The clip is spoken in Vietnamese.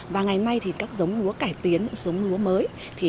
và ngày nay các giống lúa cải tiến những giống lúa mới